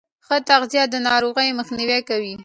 ښه تغذیه د ناروغیو مخنیوی کوي.